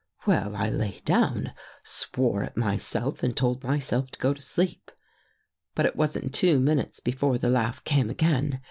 Well, I lay down, swore at myself and told mysdf to go to sleep. But it wasn't two minutes before the laugh came again.